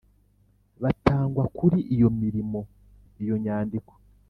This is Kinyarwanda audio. butangwa kuri iyo mirimo Iyo nyandiko